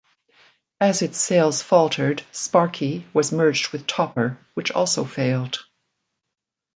As its sales faltered "Sparky" was merged with "Topper" which also failed.